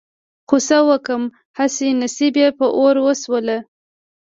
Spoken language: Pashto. خو څه وکړم هسې نصيب يې په اور وسوله.